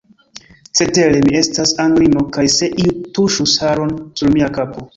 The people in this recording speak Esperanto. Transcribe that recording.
Cetere, mi estas Anglino, kaj se iu tuŝus haron sur mia kapo!